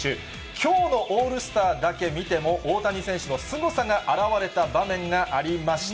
きょうのオールスターだけ見ても、大谷選手のすごさが表れた場面がありました。